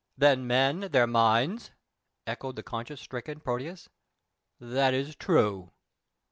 "Than men their minds!" echoed the conscience stricken Proteus. "That is true."